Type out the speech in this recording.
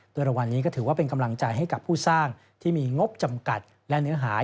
โดยรางวัลนี้ก็ถือว่าเป็นกำลังใจให้กับผู้สร้างที่มีงบจำกัดและเนื้อหา